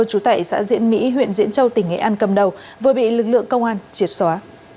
trú tại xã diễn mỹ huyện diễn châu tỉnh nghệ an cầm đầu vừa bị lực lượng công an triệt xóa